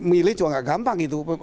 milih juga nggak gampang itu